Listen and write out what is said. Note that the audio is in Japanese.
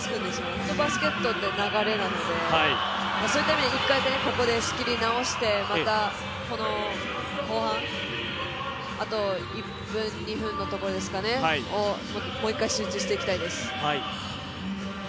本当にバスケットって流れなので、そういった意味で、一回ここで仕切り直してまた後半、あと１分、２分をもう一回集中していきたいです。